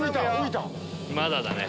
まだだね。